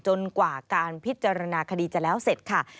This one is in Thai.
จนกว่าการพิจารณาคดีจะเสร็จค่ะ